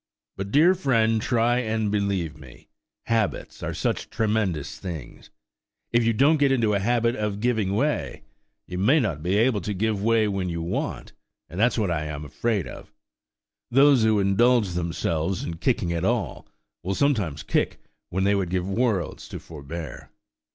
But, dear friend, try and believe me,–habits are such tremendous things! If you don't get into a habit of giving way, you mayn't be able to give way when you want, that's what I am afraid of. Those who indulge themselves in kicking at all, will sometimes kick when they would give worlds to forbear."